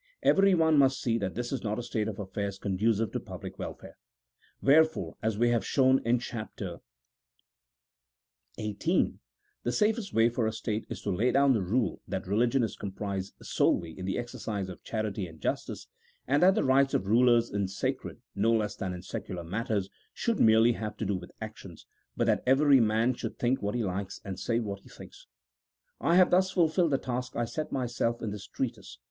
Everyone must see that this is not a state of affairs conducive to public welfare. Wherefore, as we have shown in Chapter XVJLLL, the safest way for a state is to lay down the rule that reli gion is comprised solely in the exercise of charity and jus tice, and that the rights of rulers in sacred, no less than in secular matters, should merely have to do with actions, but that every man should think what he likes and say what he thinks. I have thus fulfilled the task I set myself in this treatise.